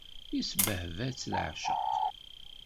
Isbehba-tt leɛceq.